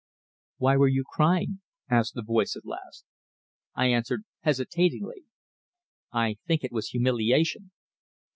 "Why were you crying?" asked the voice, at last. I answered, hesitatingly, "I think it was humiliation."